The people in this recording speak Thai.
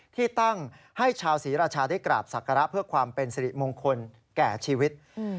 ที่ตั้งให้ชาวศรีราชาได้กราบศักระเพื่อความเป็นสิริมงคลแก่ชีวิต